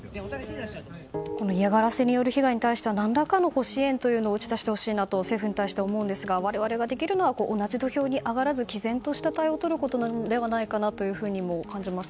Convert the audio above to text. この嫌がらせによる被害に対しては何らかの支援を打ち出してほしいと政府に対して思うんですが我々ができるのは同じ土俵に上がらず毅然とした対応をとることなのではないかとも感じます。